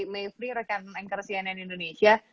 mevri rekan anchor cnn indonesia